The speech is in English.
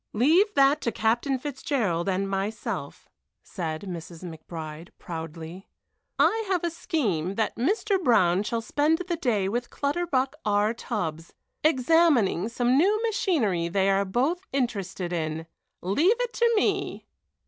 "Leave that to Captain Fitzgerald and myself," Mrs. McBride said, proudly. "I have a scheme that Mr. Brown shall spend the day with Clutterbuck R. Tubbs, examining some new machinery they are both interested in. Leave it to me!"